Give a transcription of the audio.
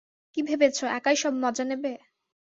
কি ভেবেছো একাই সব মজা নেবে?